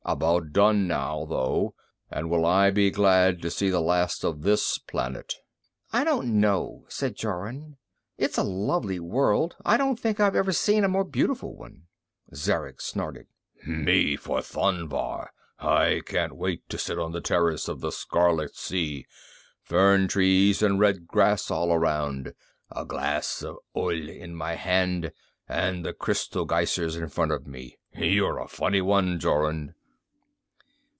"About done now, though. And will I be glad to see the last of this planet!" "I don't know," said Jorun. "It's a lovely world. I don't think I've ever seen a more beautiful one." Zarek snorted. "Me for Thonnvar! I can't wait to sit on the terrace by the Scarlet Sea, fern trees and red grass all around, a glass of oehl in my hand and the crystal geysers in front of me. You're a funny one, Jorun."